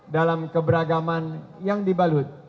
dalam keberagaman yang dibalut